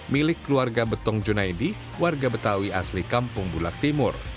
milik keluarga betong junaidi warga betawi asli kampung bulak timur